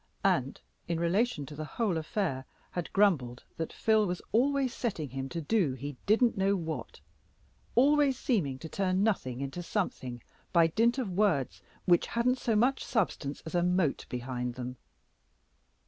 and, in relation to the whole affair, had grumbled that Phil was always setting him to do he didn't know what always seeming to turn nothing into something by dint of words which hadn't so much substance as a mote behind them.